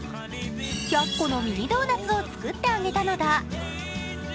１００個のミニドーナツを作ってあげたのだ。